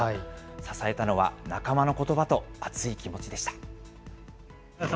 支えたのは仲間のことばと熱い気持ちでした。